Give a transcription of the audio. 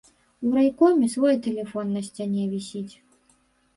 У райкоме свой тэлефон на сцяне вісіць.